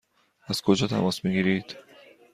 از کجا تماس می گیرید؟